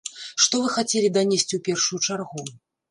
Што вы хацелі данесці ў першую чаргу?